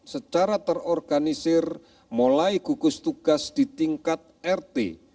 secara terorganisir mulai gugus tugas di tingkat rt